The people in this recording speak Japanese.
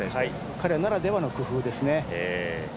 彼ならではの工夫ですね。